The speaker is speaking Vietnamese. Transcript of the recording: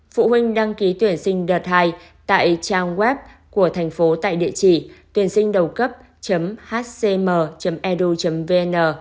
phụ huynh đăng ký tuyển sinh đợt hai tại trang web của thành phố tại địa chỉ tuyểnsinhđầucấp hcm edu vn